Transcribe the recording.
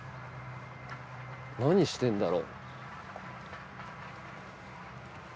何してんだろ？